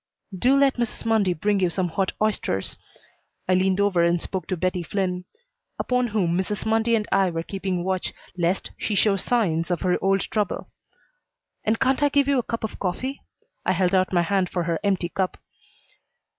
"Do let Mrs. Mundy bring you some hot oysters." I leaned over and spoke to Bettie Flynn, upon whom Mrs. Mundy and I were keeping watch lest she show signs of her old trouble. "And can't I give you a cup of coffee?" I held out my hand for her empty cup.